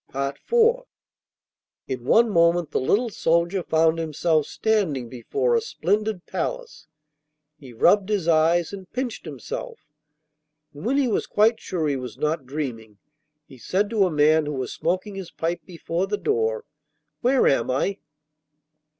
IV In one moment the little soldier found himself standing before a splendid palace. He rubbed his eyes and pinched himself, and when he was quite sure he was not dreaming he said to a man who was smoking his pipe before the door, 'Where am I?